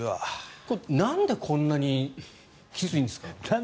これ、なんでこんなにきついんですか？